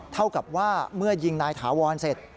เท่ากับว่าเมื่อยิงนายถาวรเสร็จ